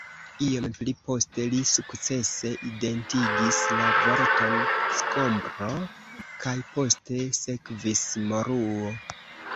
Iom pli poste li sukcese identigis la vorton “skombro kaj poste sekvis “moruo.